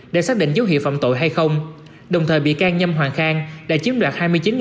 để xác định dấu hiệu phạm tội hay không đồng thời bị can nhâm hoàng khang đã chiếm đoạt